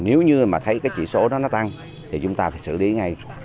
nếu như mà thấy cái chỉ số đó nó tăng thì chúng ta phải xử lý ngay